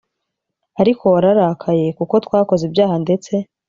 ariko wararakaye kuko twakoze ibyaha ndetse